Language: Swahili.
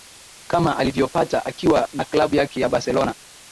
kama alivyopata akiwa na Klabu yake ya Barcelona